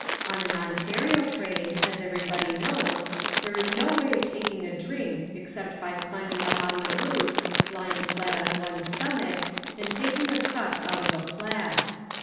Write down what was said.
On an Ontario train, as everybody knows, there is no way of taking a drink except by climbing up on the roof, lying flat on one's stomach, and taking a suck out of a flask.